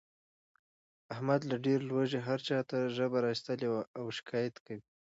احمد له ډېر لوږې هر چاته ژبه را ایستلې وي او شکایت کوي.